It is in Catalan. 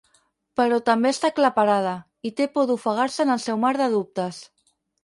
Però també està aclaparada i té por d'ofegar-se en el seu mar de dubtes.